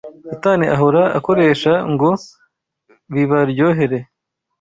Satani ahora akoresha ngo bibaryohere